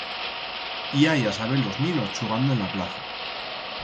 I hai a-saber-los ninos chugando en a plaza.